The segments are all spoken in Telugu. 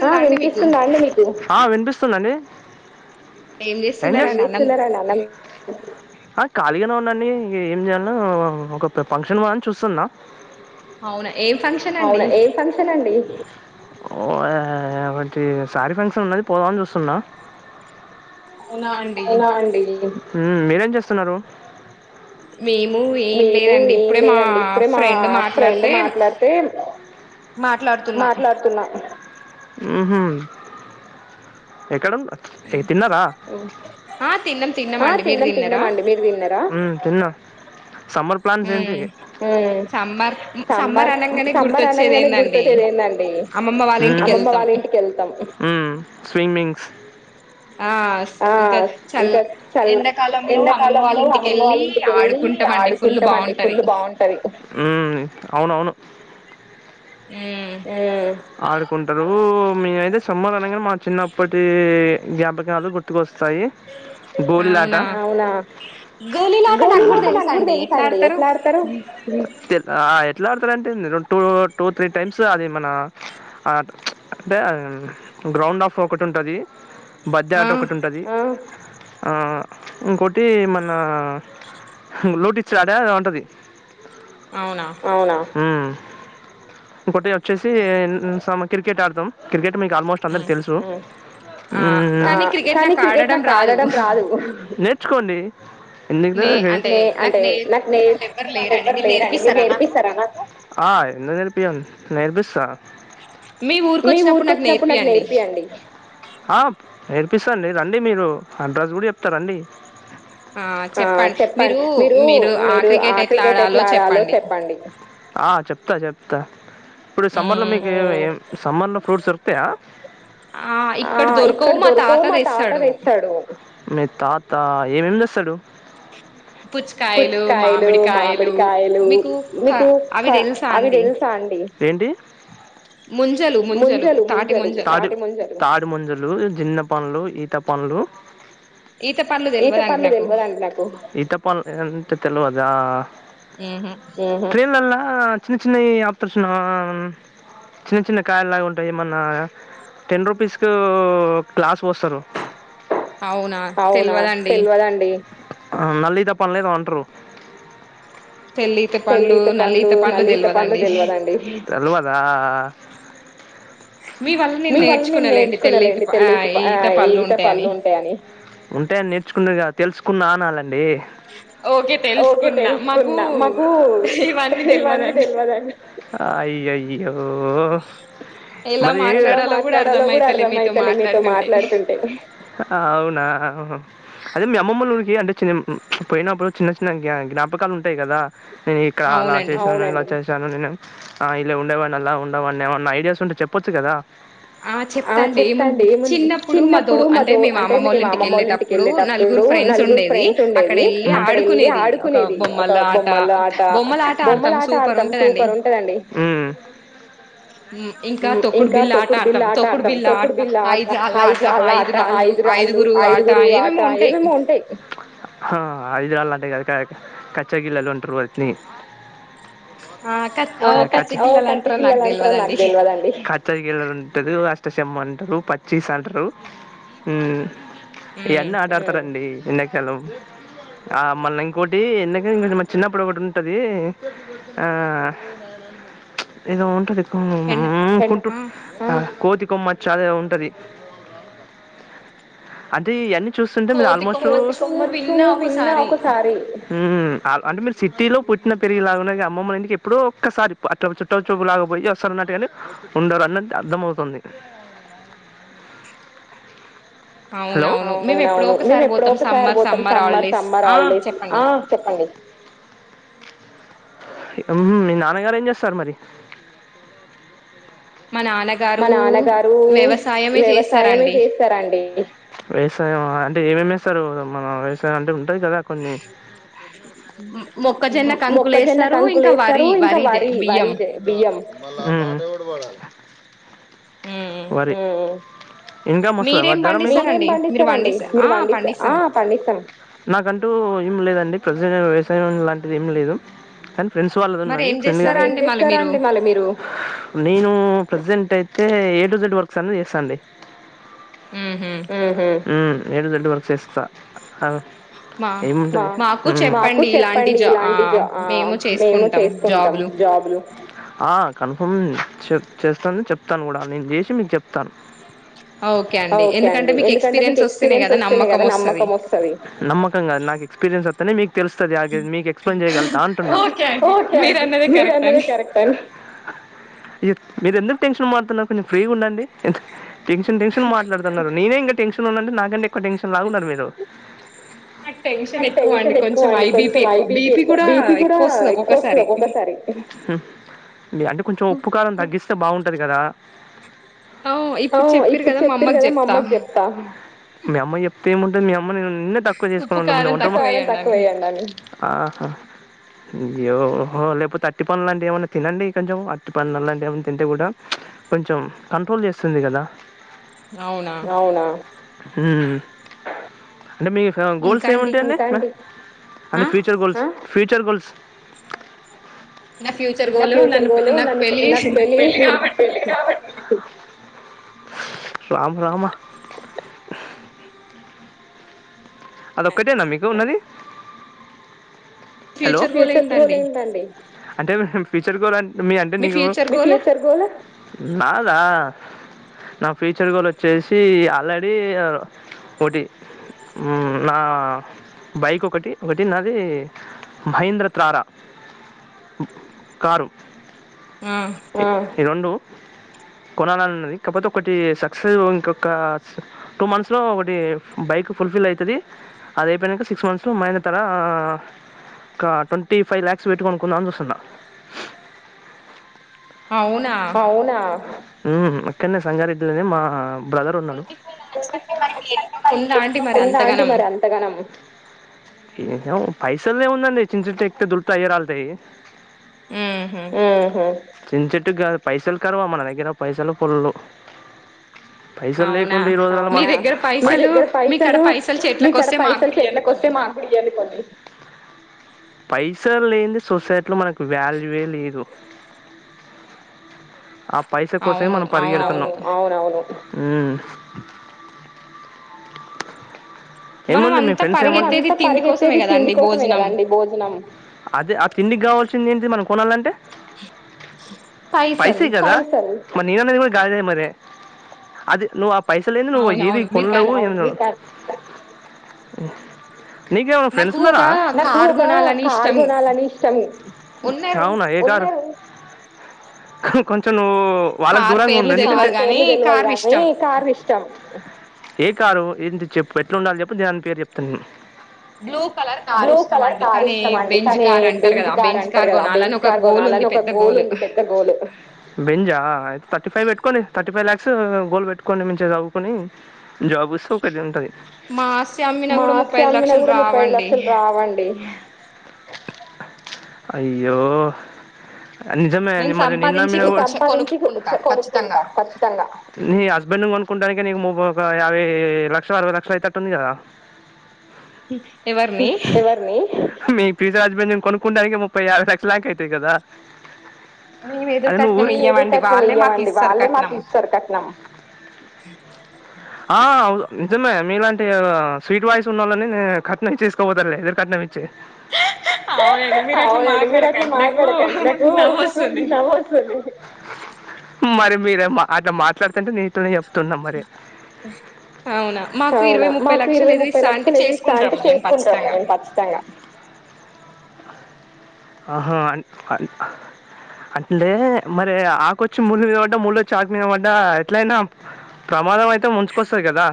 హ వినిపిస్తుందా అండి మీకు వినిపిస్ తున్న నే ఏం చేస్తునన్నారండి అన్నం ఆ ఖాళీగానే ఉన్న అన్ని ఏం జెయల నో ఒక ఫంక్షన్ పోదాం అని చూస్తున్నా అవునా ఏం ఫంక్షన్ అండి ఒకటి సారీ ఫంక్షన్ ఉన్నది పోదామని చూస్తున్నా అవునా అండి ఉమ్ మీరేం చేస్తున్నారు మేము ఏం లేదండి ఇప్పుడే మా ఫ్రెండ్ మాట్లాడితే మాట్లాడుతున్నా ఉహు ఎక్కడ తిన్నారా ఆ తిన్నాం తిన్నాం అండి మీరు తిన్నారా ఉ తిన్నా సమ్మర్ ప్లాన్స్ ఏంటి ఉ సమ్మర్ సమ్మర్ అనంగనే గుర్తొచ్చేది ఏంది అండి ఉ అమ్మమ్మ వాళ్ళ ఇంటికి వెళ్తాం ఉ స్విమ్మింగ్స్ ఆ ఇకంత ఇంకా చల్ ఎండాకాలంలో అమ్మమ్మ వాళ్ళ ఇంటికి వెళ్ళి ఆడుకుంటామండి ఫుల్ బాగుంటది. ఊ అవునవును ఊ ఆడుకుంటారు. మేము అయితే సమ్మెర్ అనగా మా చిన్నప్పటి జ్ఞపకాలు గుర్తుకొస్తం యి గోలీలాట, అవున గోళీలాట నాకు కూడా తెలుసండి ఎట్ల ఆడుతారు. ఎట్లాడతారుంటే టూ త్రీ టైమ్స్ అది మన అంటే గ్రౌండ్ ఆఫ్ ఒకటి ఉంటది. బద్దె ఆట ఒకటి ఉంటది ఆ ఇంకోటి మనలూట్చ్చ ఆట ఉంటుంది అవునా ఆ ఒకటి వచ్చేసి సమ క్రికెట్ ఆడతాము క్రికట్ ఆల్మోస్ట్ అందరికి తెలుసు కానీ, నాకు క్రికెట్ ఆడటం రాదు. నేర్చుకోండి ఎందుకు అంటే నాకు నేర్పించే వాళ్ళు ఎవరు లేరని నేర్పిస్తర నాకు ఆ ఎందుకు నేర్పియ్యం నేర్పిస్తా మీ ఊరికి వచ్చినప్పుడు నాకు నేర్పియండి. ఆ నేర్పిస్తాండి రండి మీరు అడ్రస్ కూడా చెప్తా రండి. ఆ చెప్పండి మీరు మీరు ఆ క్రికెట్ ఎట్లా ఆడాలో చెప్పండి. ఆ చెప్తా చెప్తా ఇప్పుడు సమ్మర్ లో మీకు సమ్మర్ లో ఫ్రూట్ దొకుతాయా, ఆ ఇక్కడ దొరకవు మా తాత తెస్తాడు. మీ తాత ఏమేమి తెస్తాడు? పుచ్చకాయలు, మామిడికాయలు మీకు అవి తెలుసా అండి. ఏంటి ముంజలు, ముంజలు, తాటిమంజలు, జన్నపండ్లు ఈత పళ్ళు ఈతపల్లు తెల్వదం అంట నాకు ఈతపళ్ళు ఎంత తెలవద ఉ హు రల్ అలా ఆ చిన్న చిన్న ఆప చిన్న చిన్న కాయలులాగా ఉంటాయి. ఏమన్న టెన్ రూపీస్కి గ్లాస్ పొస్తారు. అవునా తెలివదండి. నల్ళదా పనిలేద అంటరు పెళ్లితే పండ్లు నల్లతే పండ్లు తెలివదండి తెల్వాదా మీ వల్ల నేను నేర్చుకునేలేండి తెల్లి ఇత ఈత పళ్ళు ఉంటాయ అని ఉంటాయని నేర్చుకుంట క తెలుసుకున్న అనాలండి ఓకే తెలుసుకున్నా మాకు ఇవన్నీ తెలియదండి అయయ్యో మరి ఏ మాట్లాడాలో కూడా అర్థంమవుతలే మీతో మాట్లాడుతుంటే అవును అదే మీ అమ్మమ్మలుఊకి అంటే చి పోయినప్పుడు చిన్న చిన్న జ్ఞాపకాలు ఉంటాయి కదా నేను ఇక్కడ అలా చేశాను ఇలా చేశాను నేను ఆ ఇలా ఉండేవాడిని అలా ఉండేవాడిని ఏమన్నా ఐడియాస్ ఉంటే చెప్పొచ్చు కదా ఆ చెప్తాండి ఏముందండి చిన్నప్పుడు మా దో అంటే మీ మామమ్మళ్ళ ఇంటికి వెళ్ళేటప్పుడు నలుగురు ఫ్రెండ్స్ ఉండేది అక్కడ వెళ్ళి ఆడుకునేది ఒక బొమ్మల ఆట బొమ్మల ఆట ఆడతాం సూపర్ ఉంటదండి ఇం బిల్ల ఆట ఆడతాం తోకుడు బిళ్ల ఆట ఐదు రాళ్ళ ఆట ఐదు రాళ్ళు ఐదుగురు ఆట ఏవేమో ఉంటాయి ఐదురాళ్ళ అంటాయి కదా కచ్చాగిిల్ళలు ఉంటారు వాటిని ఓ కచ్చగిిల్లలు అంటారు నాకు తెలివదండి కచ్చ గిల్లలు ఉంటదు కొత్త చెెమంటలు పచ్చి సంటరు ఎన్న ఆట ఆడతారంండి ఇన్క హలో మల్లంకోటి ఎక కొంె చిన్నప్పుడటు పంటది ఆ ఏద ఉంటంటది కుంటూ కోది మ చాల ఉంటది అంటే ఇవన్నీ చూస్తుంటే మీరు ఆల్మోస్ట్చ్చు విన్న ఒకసారి అంటే మీరు సిటీలో పుట్టిన పెరిగి లా అమ్మమ్మ ఇంటికి ఇప్పుడు ఒక్కసారి అట్ చుట్ట చూపు లాకపోయి అసారిన్నటుగానే ఉండరు అన్నది అర్థమవుతుంది హలో అవునవును మేము ఎప్పుడో ఒకసారి పోతాం సమ్మర్ సమ్మర్ హాలిడేస్ ఆ చెప్పండి మీ నాన్నగారు ఏం చేస్తారు మరి మా నాన్నగారు వ్యవసాయమే చేస్తారంండి వ్యవసా అంటే ఏమేమిేస్తారు మన వ అంటే కదా కొన్ని మొక్కజొన్న కనుకులు వేస్తారు ఇంకా వరి వరి బియ్యం అ రి ఇంకా జరేంస్తరుం పంస్త నాకంటూ ఏం లేదండి [unintelligible] వ్యవసాయం లాంటిది ఏం లేదు కానీ ఫ్రెండ్స్ వాళ్ళ ఉన్నది ఫ్రెండి [unintelligible] నేను ప్రెంట్ అయితే ఏ టు జెడ్ వర్క్స్ అని చేస్తాండి ఉహు ఏ టు జెడ్ వర్క్ చేస్తాను మాకు చెప్పండి ఇలాంటి మేము చేసుకుంటాం జాబ్లు కన్ఫర్మ్ చె చేస్తాంది చెప్ చెప్తాను కూడా నేను చేసి మీకు చెప్తాను ఓకే అండి ఎందుకంటే మీకు ఎక్స్పీరియన్స్ వస్తేనే కదా నమ్మకం మీరెందు టెన్షన్ పాడుతున్నా కొంచెం ఫ్రీగా ఉండండింత టెన్షన్ టెన్ మాట్లాడుతున్నారు నేనేం టెషన్ ఉందండి నాగంటే [unintelligible] టెన్షన్ ఎక్కువండి కొంచం ఐ బీపీ ఎక్కు బీపీ కూడా ఎక్కువ వస్తుంది ఒక్కసారి అంటేంచెం ఉప్పు కారం తాగిస్తే బాగుంటంది [unintelligible] కదా ఆ ఇప్పుడు చెప్తిరీ కదా మా అమ్మకి చెప్తా [unintelligible] [unintelligible] నిన్నే తక్కువ చేసుకని [unintelligible] అయ్యో లేకపోతే అట్టి పనులు లాంటివి ఏమైన్నా తినండి కొంచెం అట్టి పనులు లాంటివి ఏమైన్నా తింటే కూడా కొంచెం కంట్రోల్ చేస్తుంది కదా అవునా అంటే మీ గోల్స్ ఏమింటాయి అండి అంటే ఫ్యూచర్ గోల్స్ ఫ్యూచర్ [unintelligible] గోల్స్ నా ఫ్యూచర్ గోలు నన్ను పెళ్లి చేసేయండి నాకు పెళ్లి కావాలి రామ రామ అది ఒక్కటేనా మీకు ఉన్నది హలో ఫ్యూచర్ గోల్ ఏంటండి అంటే పిచర్ గోల్ అ మీ అంటే నికు మీ ఫచర్ గోల్ నాదా నా ఫ్యూచర్ గోల్ వచ్చేసి ఆల్రెడీ ఒకటి నా బైక్ ఒకటి ఒకటి నాది మహేంద్ర త్రారా కారు ఉ ఈ రొండు కొనాలిన్నది కాకపోతే ఒకటి సక్సెస్ ఇంకొక టూ మంత్స్ లో ఒకటి బైక్ ఫుల్ఫిల్ అవుతుది అది అయిపోయినాక సిక్స్ మంత్స్ లో మైన తర ఒక ట్వంటీ ఫైవ్ ల్యాక్స్ పెట్టి కొనుకుందాం అని చూస్తున్న అవునా హ్మ్ అక్కడనే సంగారెడ్లోనే మా బ్రదర్ వున్నడు ఏమో పైసల్తేముందండి చింత చెట్టు ఎక్కి దులుథాయ్ రళ్తాయి ఉహు చి చెట్టు కాదు పైసలు కరూవ మన దగ్ర పైసలు పొల్లు పైసలు లేకుంటే ఈ రోజులలో మాకు, పైసలేంది సొసైటీ లో మనకు వాల్యువే లేదు, అప్ పైస కోసమే మనం పరిగెడుతున్నాం హ్మ్ ఏమన్న మీ ఫ్రెండ్స్ ఏమనె అదే ఆ తిండి కావల్ ల్సింది ఏంటి మనం కొనాలంటే పైసే గదా మరి నేనన్నదిగున గాదే మరి అది నువ్ అప్ పైసల్లేంది నువు ఏది కొన లేవు ఏం లేవ్ నీకే ఫ్రెండ్స్ ఉన్నరా అవునా ఎ కారు కొంచెం ను వ్ వాళ్ళకు దూరంగా ఉండు ఎందుకంటే ఏ కారు ఏంది చెప్పు ఎట్లా ఉండాలి చెప్పు దాని పేరు చెప్పునువ్ బెంజా ఆ థర్టిఫైవ్ పెట్టుకోండి థర్టిఫైవ్ లాక్స్ గోల్ పెట్టుకొని మంచిగా చదువుకుని జాబ్ వస్తె ఒక పెళ్ళ ఉంటది మా ఆస్తి అమ్మిన కూడా ముప్పై ఐదు లక్షలు రావండి అసలు రావండి అయ్యో నిజమే అండి మరి నిన్న అమ్మినా కూడా నేను సంపాదించి కొనుక్కుంటా ఖచ్చితంగా నీ హస్బెండ్ ని కొను కోనుకుడానికి నీకు్ ఒక యాభై లక్ష అరవై లక్షలు అయితటుంది కదా ఎవరిని మీ పిస హస్బెండ్ ని కొనుక్కకుడానికి ముప్పై యాభై లక్షల దాకా అతాయి కదా అదే ను ఊరికి ఏదరు కట్నం ఇయ్యమండి వాళ్ళే మాకు ఇస్తారు కట్నం ఆ నిజమే మీలాంటి స్వీట్ వాయిస్ ఉన్నోళ్ళని నే తీసుకపోతడులే రె కట్ అవునండి మీరు అట్లా మాట్లాడకండి నాకు నవ్వొస్తుంది. మరి మీరే అట్లా మాట్లాడుతుంటే నీతో అవునా మాకు ఇరవై ముప్పై లక్షలు ఏదురు ఇస్తా చేసుకుంటాము మేము ఖచ్చితంగా ఆహా అ అంటే మరి ఆకొచ్చి మూడు మీద పడ్డా మూళ వచ్చి ఆకు మీద పడ్డా ఎట్లయినా ప్రమాదం అయితే ముంచుకొస్తంది కదా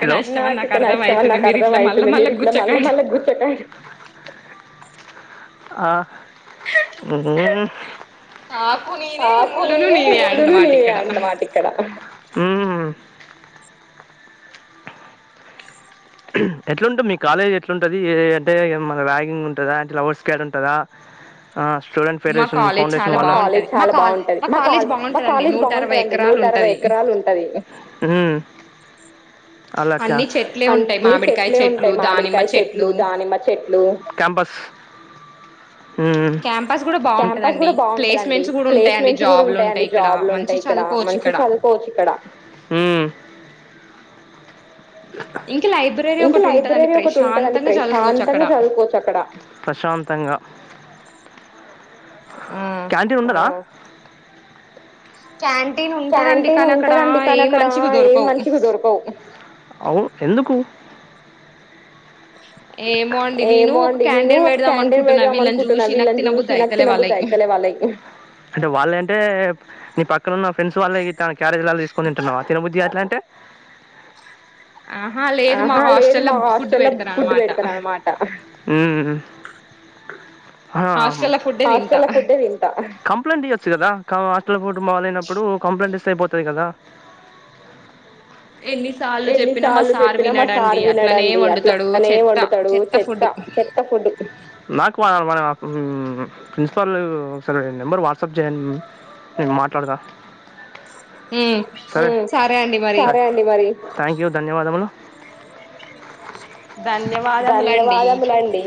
హలో నాకు ఇక్క ఇష్టం నాకు అర్థంమవుతుంది మీరు ఇట్లా మళ్ళా మళ్ళా గుచ్చక ఆ హ్మ్మ్ ఆకు నేనే ముళ్ళను నీనే అంట మాట ఇక్కడ మ్మ్ ఎట్లాంటుంది మీ కాలేజ్ ఎట్లుంటుంది అంటే మన ర్యాగింగ్ ఉంటుందా అంటే లవర్ స్కాడ్ ఉంటుందా ఆ స్టూడెంట్ ఫరేన్ ఫౌండేషన్ మా కాలజ్ చాలా బాగుంటది మా కాలేజ్ బాగుంటదండి నూట అరవై ఎకరాలు ఉంటది మ్మ్ అలా క్యా అన్ని చెట్లే ఉంటాయి మామిడికాయ చెట్లు దానిమ్మ చెట్లు కంపస్ క్యాంపస్ కూడా బాగుంటదండి ప్లేస్మెంట్స్ కూడా ఉంటాయండి జాబ్లు ఉంటాయి ఇక్కడ మంచి చదువుకోవచ్చు ఇక్కడ హ్మ్మ్ ఇంక లైబ్రరీ ఒకటి ఉంటందిండి ప్రశాంతంగా చదువుకోవచ్చు అక్కడ ప్రశాంతంగా క్యాంటీన్ ఉండదా క్యాంటీన్ ఉంటదండి కానీ అక్కడ ఏం మంచిగా దొరుకవు ఎందుకు ఏమో అండి నేను ఒక క్యాంటీన్ పెడదాం అనుకుంటున్నా వీళ్ళని చూసి నాకు తినబుద్ది అయితలే వాళ్ల అయి అంటే వాళ్ళంటే మీ పక్క ఫ్రెడ్స్ళ్ళకి త క్యారజ వాలా తీసుకునింటున్నా ఆ తినుధి ఎలా అే ఆహా లేదు మా హాస్టల్ లో ఫుడ్ పెడతారు అనమాట హాస్ట ఫుడే తింటా పప్లంట్వచ్చు కదా హస్టల్ పోటుం బవాల ఇప్పుడు కంప్లైంట్ ఇస్త అయిపోతుంది కదా ఎన్నిసార్లు చెప్పినా మా సార్ వినడండి అట్లా అక్కనే వండుతాడు చెత్త చెత్త ఫుడ్ హ్ మన ప్రిన్సిపాల్ ఒకసారి నెంబర్ వాట్సాప్ చేయండి నేను మాట్లాడతా. ఉ సరే అండి మరి థ్యాంక్ యూ ధన్యవాదములు. ధన్యవాదములండి.